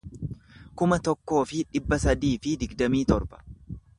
kuma tokkoo fi dhibba sadii fi digdamii torba